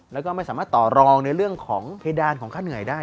แล้วก็ไม่สามารถต่อรองในเรื่องของเพดานของค่าเหนื่อยได้